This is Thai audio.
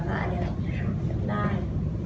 อันนี้แหละได้